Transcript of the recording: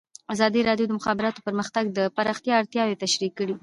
ازادي راډیو د د مخابراتو پرمختګ د پراختیا اړتیاوې تشریح کړي.